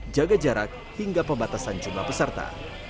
jaga jarak hingga pembatasan jumlah peserta